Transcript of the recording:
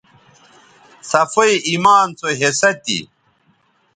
صفائ ایمان سو حصہ تھی